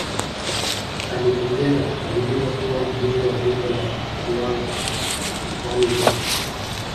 Aligombea na kuchaguliwa kuwa Mbunge wa Jimbo la Ruangwa mkoani Lindi